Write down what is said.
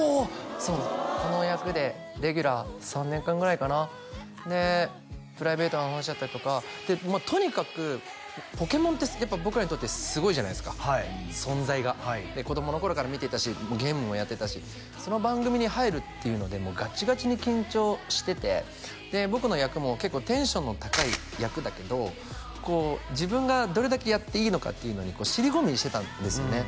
そうこの役でレギュラー３年間ぐらいかなでプライベートなお話だったりとかとにかく「ポケモン」ってやっぱ僕らにとってすごいじゃないですか存在がはい子供の頃から見ていたしゲームもやってたしその番組に入るっていうのでもうガチガチに緊張しててで僕の役も結構テンションの高い役だけどこう自分がどれだけやっていいのかっていうのに尻込みしてたんですよね